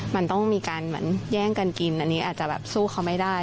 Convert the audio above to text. มันต้องมีการเหมือนแย่งกันกินอันนี้อาจจะแบบสู้เขาไม่ได้